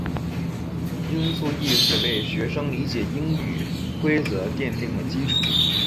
音素意识为学生理解英语规则奠定了基础。